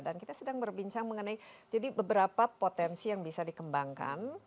dan kita sedang berbincang mengenai beberapa potensi yang bisa dikembangkan